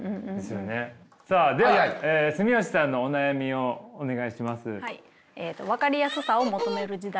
さあでは住吉さんのお悩みをお願いします。